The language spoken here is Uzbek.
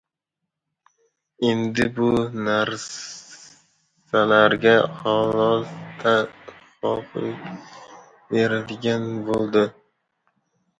endi bu narsalarga alohida ahamiyat beradigan boʻldi.